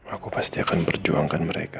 aku pasti akan berjuangkan mereka